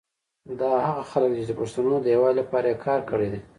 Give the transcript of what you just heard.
دا هغه خلګ دي چي د پښتونو د یوالي لپاره یي کار کړي دی